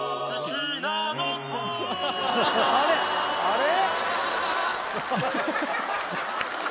あれ！？